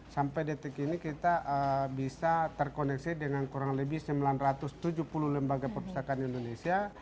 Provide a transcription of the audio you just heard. sampai detik ini kita bisa terkoneksi dengan kurang lebih sembilan ratus tujuh puluh lembaga perpustakaan indonesia